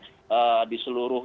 ee di seluruh